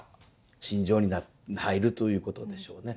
心情に入るということでしょうね。